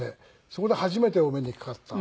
そこで初めてお目にかかった。